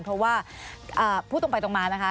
เพราะว่าพูดตรงไปตรงมานะคะ